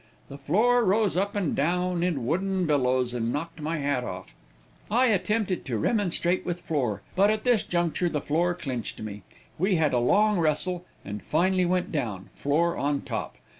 The floor rose up and down in wooden billows, and knocked my hat off. I attempted to remonstrate with floor, but at this juncture the floor clinched me; we had a long wrestle, and finally went down floor on top.